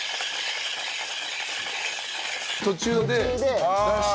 途中で出して。